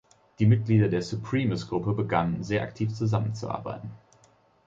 Die Mitglieder der „Supremus“-Gruppe begannen sehr aktiv zusammenzuarbeiten.